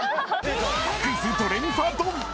「クイズ！ドレミファドン！」。